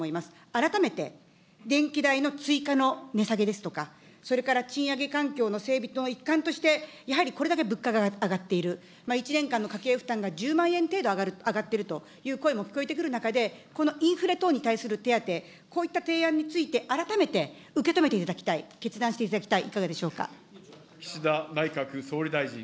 改めて電気代の追加の値下げですとか、それから賃上げ環境の整備の一環として、やはりこれだけ物価が上がっている、１年間の家計負担が１０万円程度上がっているという声も聞こえてくる中で、このインフレ等に対する手当、こういった提案について、改めて受け止めていただきたい、決断していただきたい、いかがでしょうか。